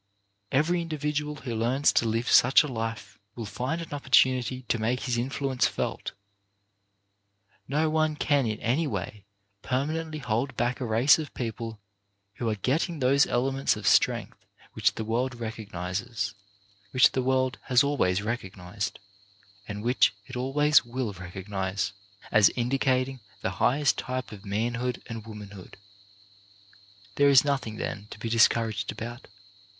Every individual who learns to live such a life will find an opportunity to make his influence felt. No one can in any way permanently hold back a race of people who are getting those elements of strength which the world recognizes, which the world has always recognized, and which it always will recognize, as indicating the highest type of manhood and womanhood. There is nothing, 42 CHARACTER BUILDING then, to be discouraged about.